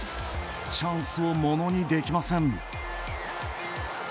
チャンスをものにできません。